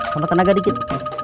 sama tenaga dikit